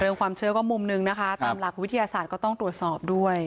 ความเชื่อก็มุมหนึ่งนะคะตามหลักวิทยาศาสตร์ก็ต้องตรวจสอบด้วย